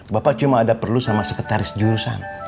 bapak cuma ada perlu sama sekretaris jurusan